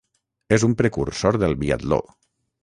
És un precursor del biatló.